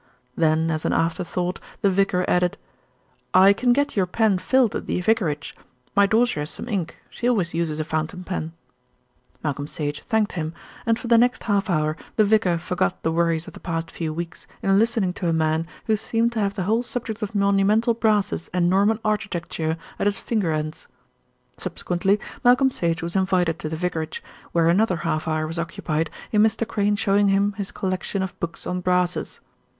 Then as an afterthought the vicar added, "I can get your pen filled at the vicarage. My daughter has some ink; she always uses a fountain pen." Malcolm Sage thanked him, and for the next half hour the vicar forgot the worries of the past few weeks in listening to a man who seemed to have the whole subject of monumental brasses and Norman architecture at his finger ends. Subsequently Malcolm Sage was invited to the vicarage, where another half hour was occupied in Mr. Crayne showing him his collection of books on brasses.